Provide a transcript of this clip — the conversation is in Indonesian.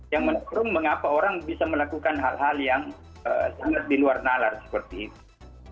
yang menekrum mengapa orang bisa melakukan hal hal yang sangat diluar nalar seperti itu